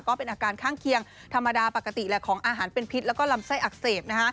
ก็เป็นอาการข้างเคียงธรรมดาปกติแหละของอาหารเป็นพิษแล้วก็ลำไส้อักเสบ